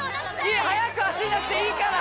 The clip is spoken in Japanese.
速く走んなくていいから！